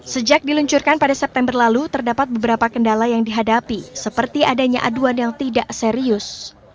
sejak diluncurkan pada september lalu terdapat beberapa kendala yang dihadapi seperti adanya aduan yang tidak serius